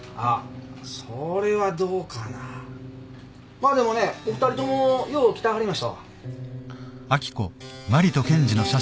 まあでもねお二人ともよう来てはりましたわ。